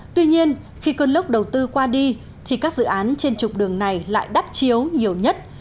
tuy nhiên khi cơn lốc đầu tư qua đi thì các dự án trên trục đường này lại đắp chiếu nhiều nhất